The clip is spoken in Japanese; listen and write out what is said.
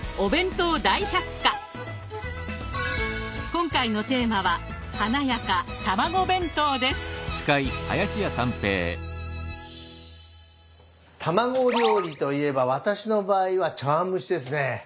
今回のテーマは卵料理といえば私の場合は茶わん蒸しですね。